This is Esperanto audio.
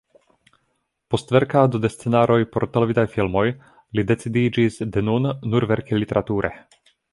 Post verkado de scenaroj por televidaj filmoj li decidiĝis de nun nur verki literature.